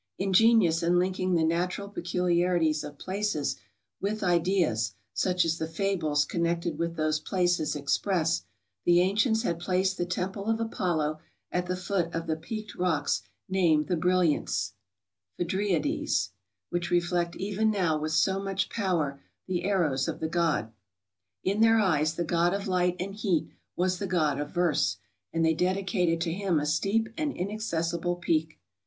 Ingenious in linking the natural pe¬ culiarities of places with ideas, such as the flibles connected with those places express, the ancients had placed the temple of Apollo at the foot of the peaked rocks named the Brilliants (Phedriades), which reflect even now with so much power the arrows of the god. In their eyes the god of light and heat was the god of verse; and they dedicated to him a steep and inaccessible peak.